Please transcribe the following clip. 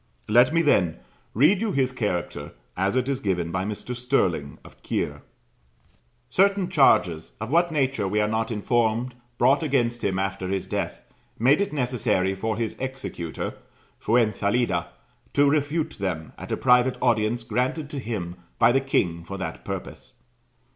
Let me, then, read you his character as it is given by Mr. Stirling, of Kier: "Certain charges, of what nature we are not informed, brought against him after his death, made it necessary for his executor, Fuensalida, to refute them at a private audience granted to him by the king for that purpose.